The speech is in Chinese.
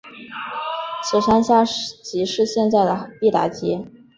此山下即是现在的毕打街。